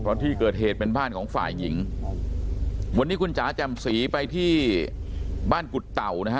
เพราะที่เกิดเหตุเป็นบ้านของฝ่ายหญิงวันนี้คุณจ๋าแจ่มสีไปที่บ้านกุฎเต่านะฮะ